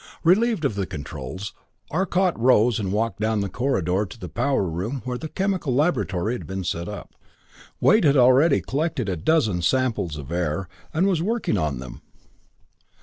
Relieved of the controls, Arcot rose and walked down the corridor to the power room where the chemical laboratory had been set up. Wade had already collected a dozen samples of air, and was working on them.